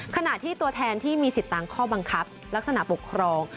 ขณะที่ตัวแทนที่มีสิทธิ์ตามข้อบังคับลักษณะปกครอง